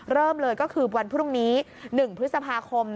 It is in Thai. เริ่มเลยก็คือวันพรุ่งนี้๑พฤษภาคม